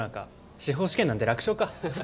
司法試験なんて楽勝か。